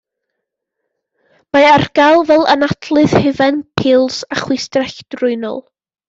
Mae ar gael fel anadlydd, hufen, pils, a chwistrell drwynol.